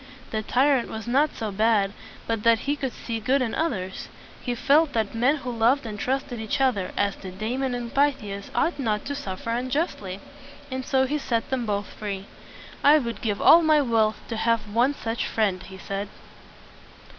The tyrant was not so bad but that he could see good in others. He felt that men who loved and trusted each other, as did Damon and Pythias, ought not to suffer un just ly. And so he set them both free. "I would give all my wealth to have one such friend," he said.